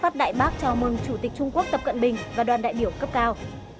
tại bác chào mừng chủ tịch trung quốc tập cận bình và đoàn đại biểu cấp cao